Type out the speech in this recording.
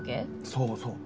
そうそう。